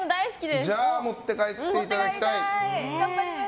じゃあ持って帰っていただきたい。